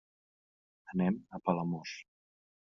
Anem a Palamós.